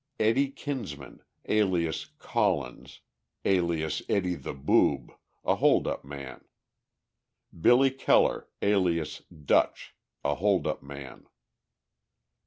EDDIE KINSMAN, alias "Collins," alias "Eddie the Boob," a hold up man. BILLY KELLER, alias "Dutch," a hold up man.